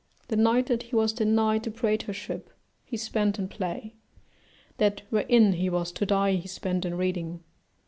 The night that he was denied the praetorship he spent in play; that wherein he was to die he spent in reading.